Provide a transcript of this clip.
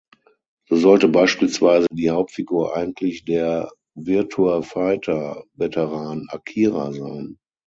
So sollte beispielsweise die Hauptfigur eigentlich der "Virtua-Fighter"-Veteran Akira sein.